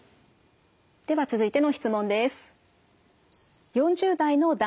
では続いての質問です。